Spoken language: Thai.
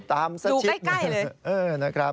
ตามสักชิดเลยนะครับดูใกล้เลย